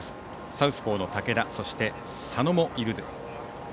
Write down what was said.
サウスポーの竹田そして佐野もいるという。